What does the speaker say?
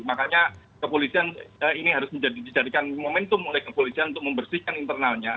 makanya kepolisian ini harus dijadikan momentum oleh kepolisian untuk membersihkan internalnya